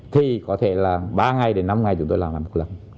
thì có thể là ba ngày đến năm ngày chúng tôi làm là một lần